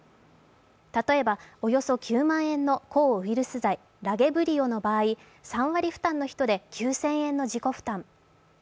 例えば、およそ９万円の抗ウイルス剤・ラゲブリオの場合、３割負担の人で９０００円の自己負担。